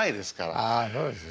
あそうですね。